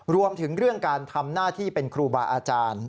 รวมถึงเรื่องการทำหน้าที่เป็นครูบาอาจารย์